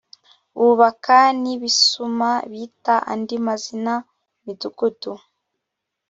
bubaka n i sibuma bita andi mazina imidugudu